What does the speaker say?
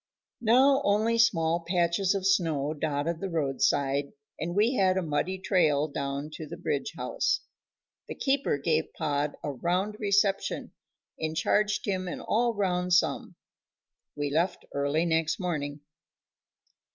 Now only small patches of snow dotted the roadside, and we had a muddy trail down to the Bridge house. The keeper gave Pod a round reception, and charged him an all round sum. We left early next morning.